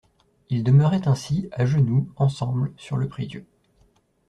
Ils demeuraient ainsi, à genoux, ensemble, sur le prie-dieu.